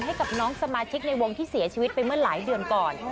ให้กับน้องสมาชิกในวงที่เสียชีวิตไปเมื่อหลายเดือนก่อน